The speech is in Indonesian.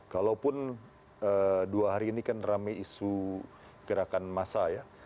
kalaupun dua hari ini kan rame isu gerakan massa ya